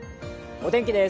お天気です。